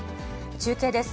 中継です。